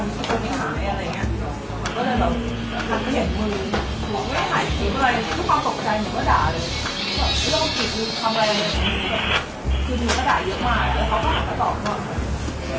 มื้อมันจับระหล่างหมดแล้วจีบเลยและมื้อเขาก็ช่องประมาณแห่งนั้น